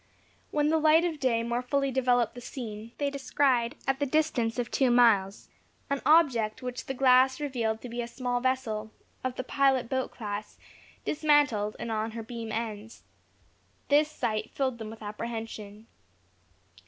When the light of day more fully developed the scene, they descried, at the distance of two miles, an object which the glass revealed to be a small vessel, of the pilot boat class, dismantled, and on her beam ends. This sight filled them with apprehension.